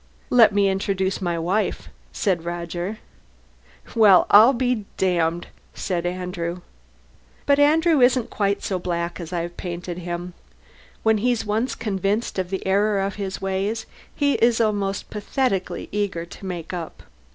"Let me introduce my wife," said Roger. "Well, I'll be damned," said Andrew. But Andrew isn't quite so black as I've painted him. When he's once convinced of the error of his ways, he is almost pathetically eager to make up.